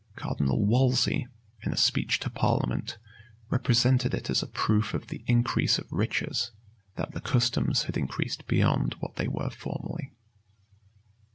Cardinal Wolsey, in a speech to parliament, represented it as a proof of the increase of riches, that the customs had increased beyond what they were formerly.